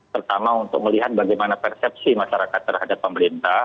pertama untuk melihat bagaimana persepsi masyarakat terhadap pemerintah